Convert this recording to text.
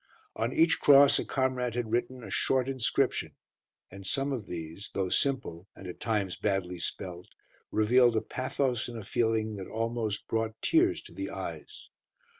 On each cross a comrade had written a short inscription, and some of these, though simple, and at times badly spelt, revealed a pathos and a feeling that almost brought tears to the eyes.